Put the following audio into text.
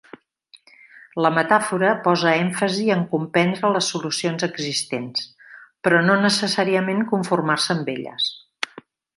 La metàfora posa èmfasi en comprendre les solucions existents, però no necessàriament conformar-se amb elles.